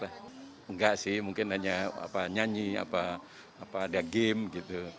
enggak sih mungkin hanya nyanyi ada game gitu